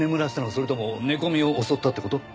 それとも寝込みを襲ったって事？